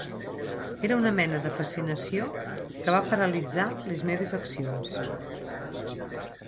Era una mena de fascinació que va paralitzar les meves accions.